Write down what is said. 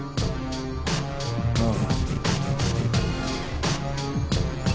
ああ。